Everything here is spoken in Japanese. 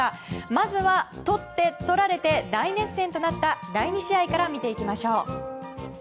まずは、取って取られて大熱戦となった第２試合から見ていきましょう。